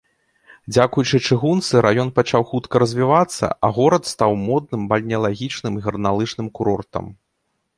Дзякуючы чыгунцы раён пачаў хутка развівацца, а горад стаў модным бальнеалагічным і гарналыжным курортам.